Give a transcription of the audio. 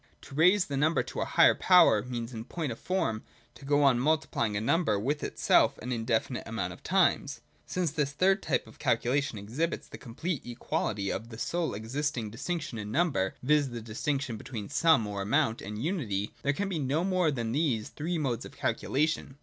To raise the number to a higher power means in point of form to go on multiplying a number with itself an indefinite amount of times. — Since this third type of calculation exhibits the complete equality of the sole existing distinction in number, viz. the distinction be tween Sum or amount and Unity, there can be no more than these three modes of calculation.